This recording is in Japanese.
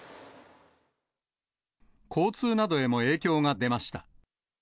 交通などへも影響が出ました。